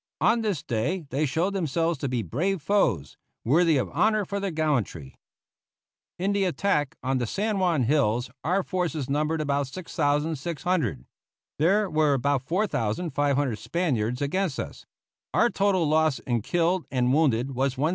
On this day they showed themselves to be brave foes, worthy of honor for their gallantry. In the attack on the San Juan hills our forces numbered about 6,600.* There were about 4,500 Spaniards against us. Our total loss in killed and wounded was 1,071.